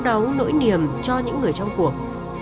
tại đó đau đau nỗi niềm cho những người trong cuộc